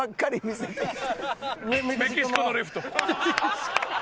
メキシコのレフト。